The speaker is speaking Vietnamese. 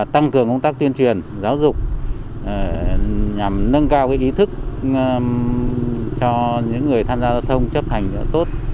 tăng cường công tác tuyên truyền giáo dục nhằm nâng cao ý thức cho những người tham gia giao thông chấp hành tốt